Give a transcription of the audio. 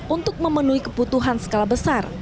untuk memenuhi kebutuhan skala besar